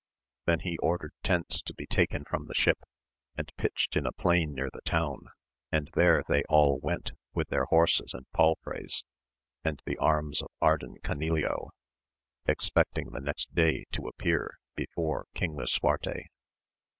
Then he ordered tents to be taken from the ship, and pitched in a plain near the town, and there they all went with their horses and palfreys, and the arms of Ardan GanileOy expecting the next day to appear beioi^¥axi% SS AMADIS OF GAUL. lisuarte.